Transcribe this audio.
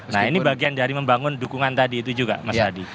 nah ini bagian dari membangun dukungan tadi itu juga mas adi